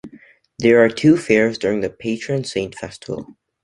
There are two fairs during the patron saint festival.